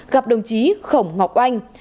gặp đồng chí khổng ngọc anh